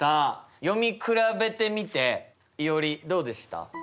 読み比べてみていおりどうでした？